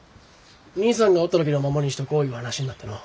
兄さんがおった時のままにしとこういう話になってのう。